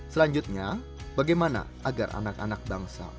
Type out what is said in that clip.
selanjutnya bagaimana agar anak anak bangsa